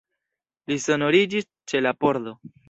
Li sonorigis ĉe la pordo.